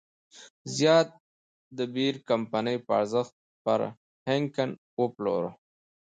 زیات د بیر کمپنۍ په ارزښت پر هاینکن وپلوره.